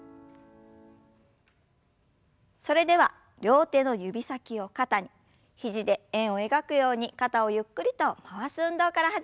それでは両手の指先を肩に肘で円を描くように肩をゆっくりと回す運動から始めましょう。